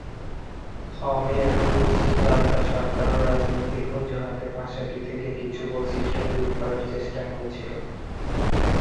খমের Rouge junta সরকারও রাজনৈতিক অজুহাতে ভাষাটি থেকে কিছু বৈশিষ্ট্য দূর করার চেষ্টা নিয়েছিল।